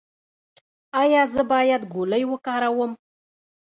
ایا زه باید ګولۍ وکاروم؟